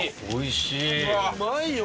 うまいよ！